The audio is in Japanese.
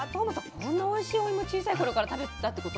こんなおいしいおいも小さい頃から食べてたってこと？